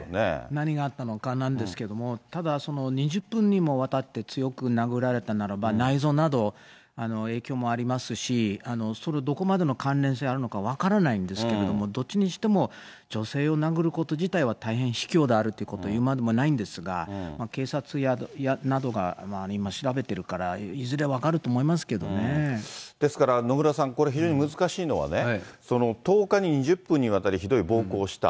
何があったのかなんですけども、ただ、その２０分にもわたって強く殴られたならば、内臓など影響もありますし、それ、どこまでの関連性あるのか分からないんですけれども、どっちにしても、女性を殴ること自体は大変卑怯であるということは言うまでもないんですが、警察などが今、調べてるから、ですから、野村さん、これ、非常に難しいのはね、１０日に２０分にわたりひどい暴行をした。